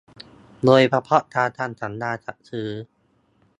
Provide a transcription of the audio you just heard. โดยเฉพาะการทำสัญญาจัดซื้อ